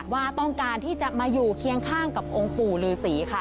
ว่าต้องการที่จะมาอยู่เคียงข้างกับองค์ปู่ฤษีค่ะ